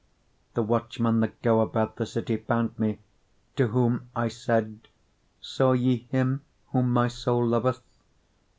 3:3 The watchmen that go about the city found me: to whom I said, Saw ye him whom my soul loveth?